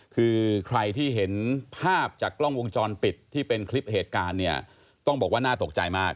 คือใครที่เห็นภาพจากกล้องวงจรปิดที่เป็นคลิปเหตุการณ์เนี่ยต้องบอกว่าน่าตกใจมาก